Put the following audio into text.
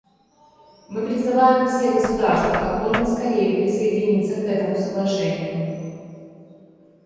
Мы призываем все государства как можно скорее присоединиться к этому Соглашению.